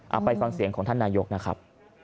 เอาไปฟังเสียงของท่านนายกนะครับ